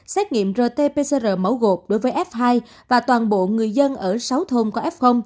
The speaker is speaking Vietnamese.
xét nghiệm rt pcr mẫu gột đối với f hai và toàn bộ người dân ở sáu thôn có f